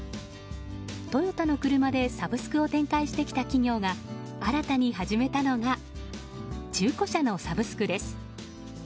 トヨタの車でサブスクを展開してきた企業が新たに始めたのが中古車のサブスクです。